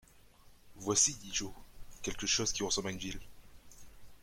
Voici, dit Joe, quelque chose qui ressemble à une ville.